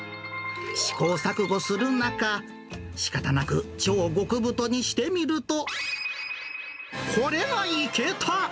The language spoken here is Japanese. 試行錯誤する中、しかたなく超極太にしてみると、これはいけた。